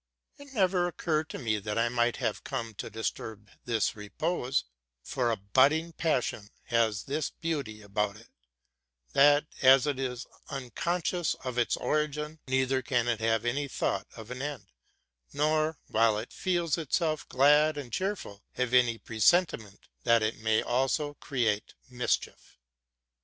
'' It never occurred to me that I might have come to dis turb this repose ; for a budding passion has this beauty about it, that, as it is unconscious of its origin, neither can it have any thought of an end, nor, while it feels itself glad and cheer ful, have any presentiment that it may also create mischief.